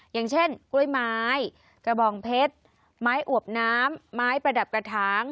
อย่างเช่นกล้วยไม้กระบองเพชรไม้อวบน้ำไม้ประดับกระถาง